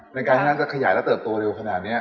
ในการที่นั่นจะขยายและเติบโตเร็วขนาดนี้